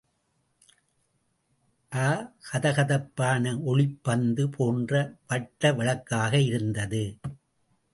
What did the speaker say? அ கதகதப்பான ஒளிப்பந்து போன்ற வட்டவிளக்காக இருந்தது.